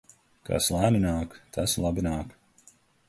Kas lēni nāk, tas labi nāk.